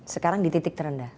sekarang di titik terendah